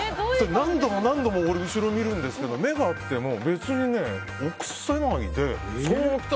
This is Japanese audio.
何度も何度も後ろ見るんですけど目が合っても、別に臆さないで。